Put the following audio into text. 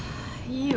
いい。